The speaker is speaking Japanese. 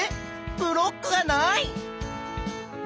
ブロックがない！